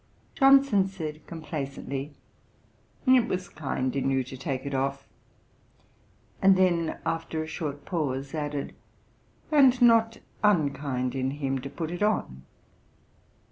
Johnson said complacently, 'It was kind in you to take it off;' and then after a short pause, added, 'and not unkind in him to put it on.'